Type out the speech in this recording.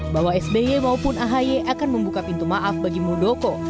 bahwa sby maupun ahy akan membuka pintu maaf bagi muldoko